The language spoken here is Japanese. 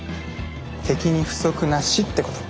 敵に不足なしってこと。